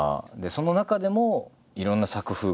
その中でもいろんな作風があって。